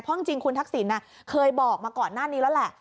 เพราะจริงคุณทักษิณเคยบอกมาก่อนหน้านี้แล้วแหละ